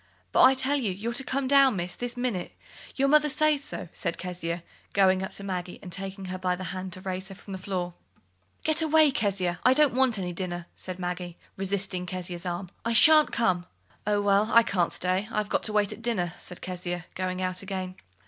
"But I tell you, you're to come down, Miss, this minute: your mother says so," said Kezia, going up to Maggie and taking her by the hand to raise her from the floor. "Get away, Kezia; I don't want any dinner," said Maggie, resisting Kezia's arm. "I shan't come." "Oh, well, I can't stay. I've got to wait at dinner," said Kezia, going out again.